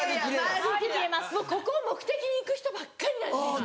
ここを目的に行く人ばっかりなんです今。